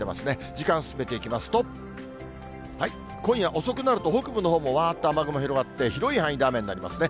時間進めていきますと、今夜遅くなると、北部のほうもわーっと雨雲広がって、広い範囲で雨になりますね。